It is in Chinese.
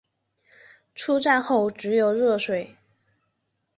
出站后只有热水